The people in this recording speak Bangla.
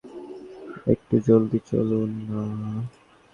একটু জলদি চলুন না।